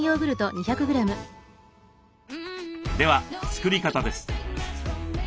では作り方です。